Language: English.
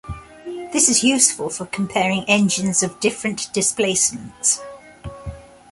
This is useful for comparing engines of different displacements.